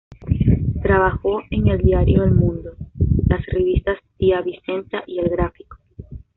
Trabajó en el diario El Mundo, las revistas Tía Vicenta y El Gráfico.